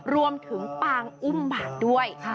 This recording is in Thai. รวมถึงปางอุ้มบาดด้วย